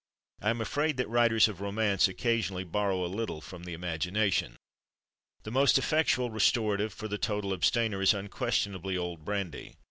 I am afraid that writers of romance occasionally borrow a little from imagination. The most effectual restorative for the total abstainer is unquestionably, old brandy.